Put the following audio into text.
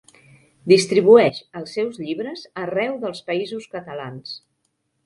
Distribueix els seus llibres arreu dels Països Catalans.